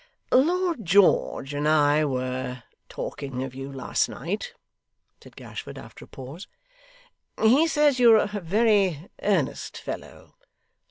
'Lord George and I were talking of you last night,' said Gashford, after a pause. 'He says you are a very earnest fellow.